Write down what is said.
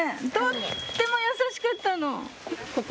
とっても優しかったの。